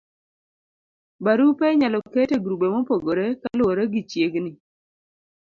barupe inyalo ket e grube mopogore kaluwore gi chiegni